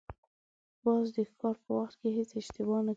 باز د ښکار په وخت هېڅ اشتباه نه کوي